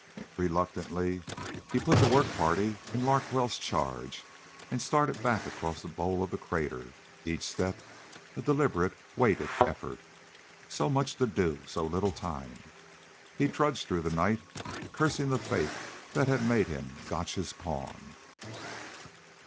Reluctantly he put the work party in Larkwell's charge and started back across the bowl of the crater, each step a deliberate weighted effort. So much to do. So little time. He trudged through the night, cursing the fate that had made him Gotch's pawn.